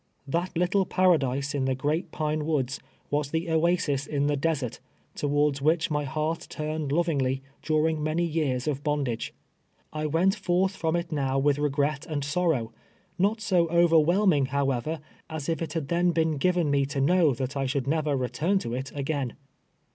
That little paradise in the Great Pine Woods was the oasis in the desert, towards which my heart turn ed lovingly, during many years of bondage. I went forth from it Jiow with regret and sorrow, not so over whelming, however, as if it had then been given me to know that I should never return to it again.